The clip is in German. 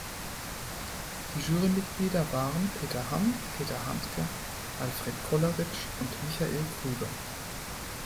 Die Jurymitglieder waren Peter Hamm, Peter Handke, Alfred Kolleritsch und Michael Krüger.